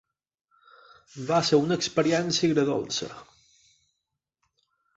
Va ser una experiència agredolça.